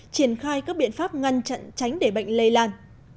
triển khai các biện pháp ngăn chặn tránh để bệnh lây lan